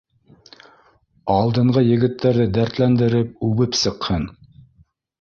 — Алдынғы егеттәрҙе дәртләндереп, үбеп сыҡһын